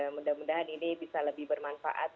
mudah mudahan ini bisa lebih bermanfaat